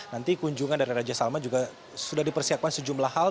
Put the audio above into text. nanti kunjungan dari raja salman juga sudah dipersiapkan sejumlah hal